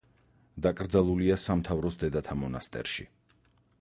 დაკრძალულია სამთავროს დედათა მონასტერში.